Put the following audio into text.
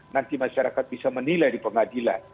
nanti masyarakat bisa menilai di pengadilan